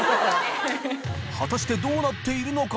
祺未燭靴どうなっているのか？